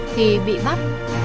thì bị bắt